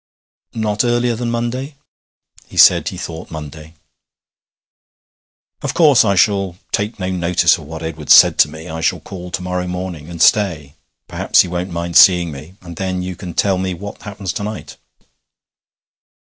'Not earlier than Monday?' 'He said he thought Monday.' 'Of course I shall take no notice of what Edward said to me I shall call to morrow morning and stay. Perhaps he won't mind seeing me. And then you can tell me what happens to night.'